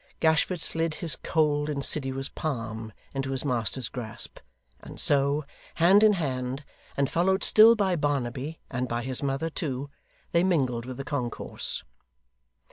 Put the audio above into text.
Gashford slid his cold insidious palm into his master's grasp, and so, hand in hand, and followed still by Barnaby and by his mother too, they mingled with the concourse.